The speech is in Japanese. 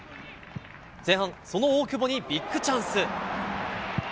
前半、その大久保にビッグチャンス。